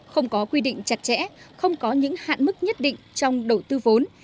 không có quy định chặt chẽ không có những hạn mức nhất định trong đầu tư vốn